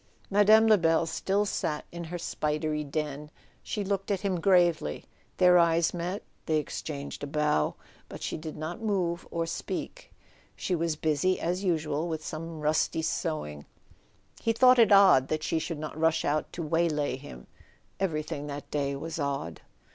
Mme. Lebel still sat in her spidery den. She looked at him gravely, their eyes met, they exchanged a bow, but she did not move or speak. She was busy as usual with some rusty sewing —he thought it odd that she should not rush out to waylay him. Everything that day was odd.